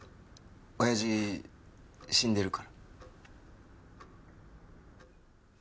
親父死んでるから。